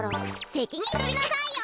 せきにんとりなさいよ！